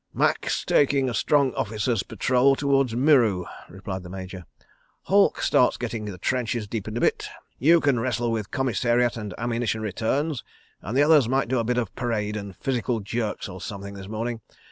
"Macke takes a strong Officer's Patrol towards Muru," replied the Major. "Halke starts getting the trenches deepened a bit. You can wrestle with commissariat and ammunition returns, and the others might do a bit of parade and physical jerks or something this morning.